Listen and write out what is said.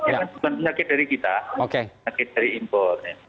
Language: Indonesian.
bukan penyakit dari kita penyakit dari impor